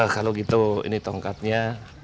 kalau gitu ini tongkatnya